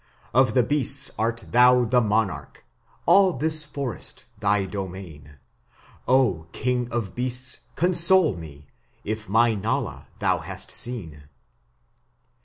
"Of the beasts art thou the monarch, all this forest thy domain;... Thou, O king of beasts, console me, if my Nala thou hast seen."